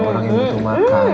orang yang butuh makan